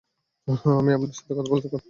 আমি আপনার সাথে কথা বলতে চাই কথা বলতে চাই।